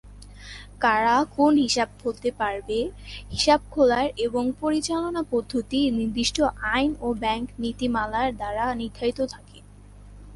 কারা কোন হিসাব খুলতে পারবে, হিসাব খোলার এবং পরিচালনা পদ্ধতি নির্দিষ্ট আইন ও ব্যাংক নীতিমালা দ্বারা নির্ধারিত থাকে।